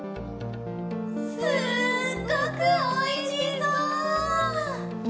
すっごくおいしそう！